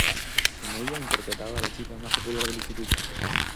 En ella interpretaba a la chica más popular del instituto.